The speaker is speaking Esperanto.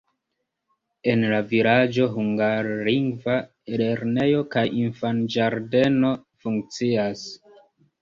En la vilaĝo hungarlingva lernejo kaj infanĝardeno funkcias.